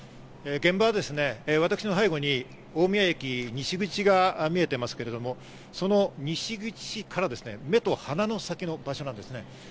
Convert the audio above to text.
現場はですね、私の背後に大宮駅西口が見えていますけど、その西口から目と鼻の先の場所なんですね。